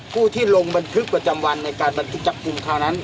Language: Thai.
ผู้ที่ลงบันทึกประจำวันในการบันทึกจับกลุ่มคราวนั้น